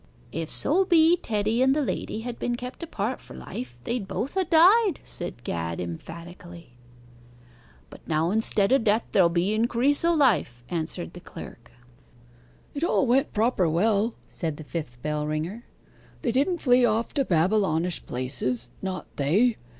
'If so be Teddy and the lady had been kept apart for life, they'd both ha' died,' said Gad emphatically. 'But now instead o' death there'll be increase o' life,' answered the clerk. 'It all went proper well,' said the fifth bell ringer. 'They didn't flee off to Babylonish places not they.